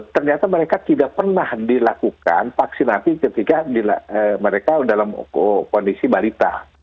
ternyata mereka tidak pernah dilakukan vaksinasi ketika mereka dalam kondisi balita